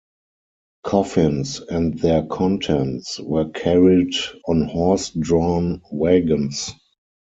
Coffins and their contents were carried on horse-drawn wagons.